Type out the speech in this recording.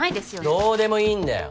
どうでもいいんだよ。